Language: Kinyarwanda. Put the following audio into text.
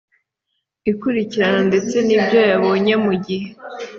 ikurikirana ndetse n ibyo yabonye mu gihe